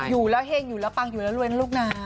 อยู่แล้วเห็งอยู่แล้วปังอยู่แล้วรวยนะลูกนะ